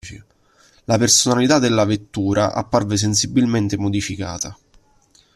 La personalità della vettura apparve sensibilmente modificata.